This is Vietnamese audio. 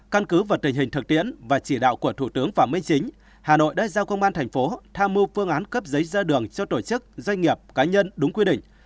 căn cứ vào tình hình thực tiễn và chỉ đạo của thủ tướng phạm minh chính hà nội đã giao công an thành phố tham mưu phương án cấp giấy ra đường cho tổ chức doanh nghiệp cá nhân đúng quy định